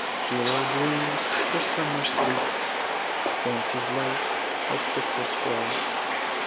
" Here are dreams for summer sleep ; Fancies light as thistle spray.